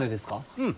うん。